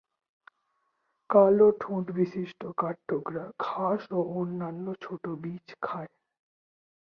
কালো ঠোঁটবিশিষ্ট কাঠঠোকরা ঘাস ও অন্যান্য ছোট বীজ খায়।